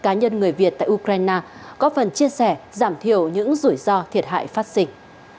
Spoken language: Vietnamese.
cá nhân người việt tại ukraine có phần chia sẻ giảm thiểu những rủi ro thiệt hại phát sinh